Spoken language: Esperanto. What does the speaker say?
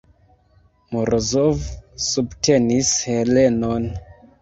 Morozov subtenis Helenon.